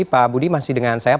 pak budi masih dengan saya